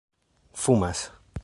fumas